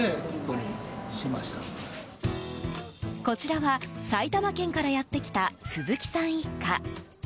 こちらは埼玉県からやってきた鈴木さん一家。